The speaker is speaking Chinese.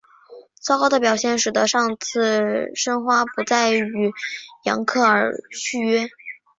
糟糕的表现使得上海申花不再与扬克尔续约。